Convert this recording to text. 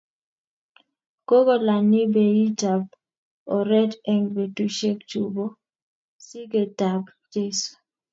Kokolany beit ab oret eng betusiechu bo sigetab Jeiso,